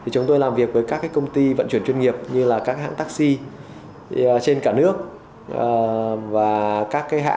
chúng tôi làm việc với các công ty vận chuyển chuyên nghiệp như các hãng taxi trên cả nước